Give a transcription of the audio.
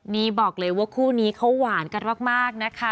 นี่บอกเลยว่าคู่นี้เขาหวานกันมากนะคะ